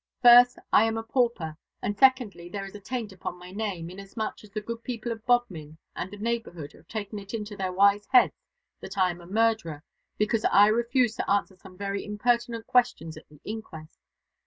First, I am a pauper; and, secondly, there is a taint upon my name, inasmuch as the good people of Bodmin and the neighbourhood have taken it into their wise heads that I am a murderer, because I refused to answer some very impertinent questions at the inquest.